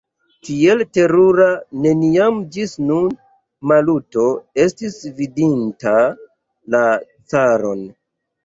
Tiel terura neniam ĝis nun Maluto estis vidinta la caron.